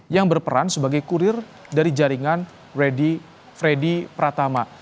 yang berperan sebagai kurir dari jaringan freddy pratama